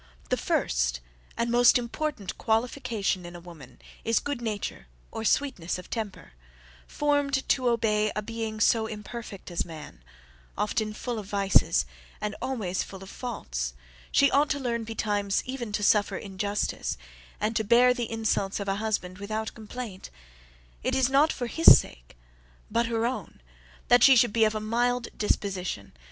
The first and most important qualification in a woman is good nature or sweetness of temper; formed to obey a being so imperfect as man, often full of vices, and always full of faults, she ought to learn betimes even to suffer injustice, and to bear the insults of a husband without complaint; it is not for his sake, but her own, that she should be of a mild disposition.